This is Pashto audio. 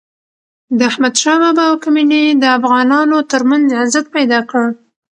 د احمد شاه بابا واکمني د افغانانو ترمنځ عزت پیدا کړ.